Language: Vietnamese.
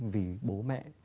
vì bố mẹ